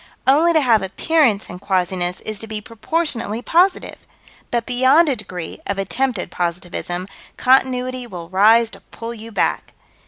Only to have appearance in quasiness is to be proportionately positive, but beyond a degree of attempted positivism, Continuity will rise to pull you back.